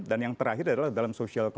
dan yang terakhir adalah dalam social care